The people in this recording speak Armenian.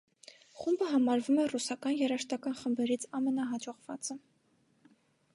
Խումբը համարվում է ռուսական երաժշտական խմբերից ամենահաջողվածը։